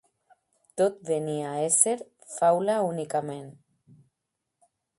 Tot venia a ésser faula únicament.